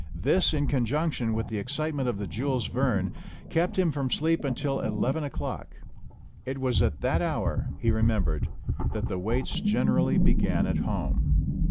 This, in conjunction with the excite ment of the Jules Verne, kept him from sleep until eleven o'clock. It was at that hour, he remembered, that the waits generally began at home.